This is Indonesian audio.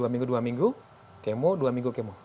dua minggu dua minggu kemo dua minggu kemo